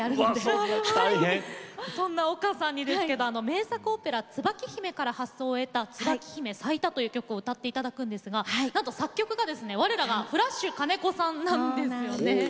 そんな丘さんに名作オペラ「椿姫」から発想を得たという「椿姫咲いた」を歌っていただくんですが、なんと作曲はわれらがフラッシュ金子さんなんですよね。